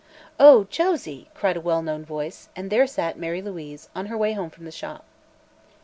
"Oh, Josie!" cried a well known voice, and there sat Mary Louise, on her way home from the Shop.